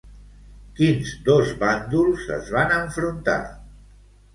Quins dos bàndols es van enfrontar?